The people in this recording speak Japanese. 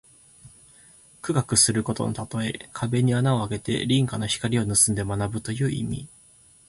苦学することのたとえ。壁に穴をあけて隣家の光をぬすんで学ぶという意味。